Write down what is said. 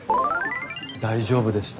大丈夫でした？